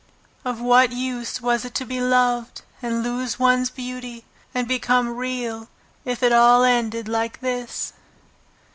Of what use was it to be loved and lose one's beauty and become Real if it all ended like this?